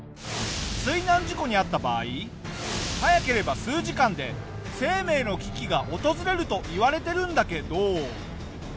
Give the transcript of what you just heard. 水難事故に遭った場合早ければ数時間で生命の危機が訪れるといわれてるんだけど。